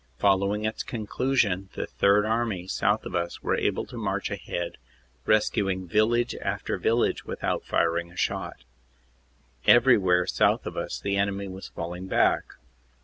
Following its conclusion the Third Army south of us were able to march ahead, rescuing village after village without firing a shot. Everywhere south of us the enemy was falling back.